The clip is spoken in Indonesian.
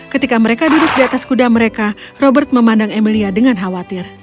ketika mereka duduk di atas kuda mereka robert memandang emilia dengan khawatir